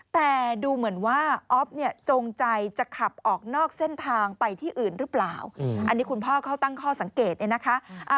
แต่ดูเหมือนว่าอ๊อฟเนี่ยจงใจจะขับออกนอกเส้นทางไปที่อื่นหรือเปล่าอันนี้คุณพ่อเขาตั้งข้อสังเกตเนี่ยนะคะ